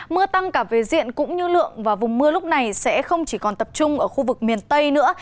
mưa tăng cả về diện cũng như lượng và vùng mưa lúc này sẽ không chỉ còn tập trung ở khu vực miền tây nữa